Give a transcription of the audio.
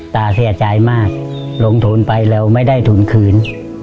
ตาเสียใจมากลงทุนไปแล้วไม่ได้ทุนคืน